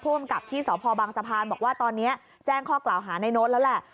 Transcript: อำกับที่สพบังสะพานบอกว่าตอนนี้แจ้งข้อกล่าวหาในโน้ตแล้วแหละ